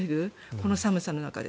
この寒さの中で。